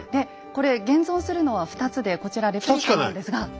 これ現存するのは２つでこちらレプリカなんですが。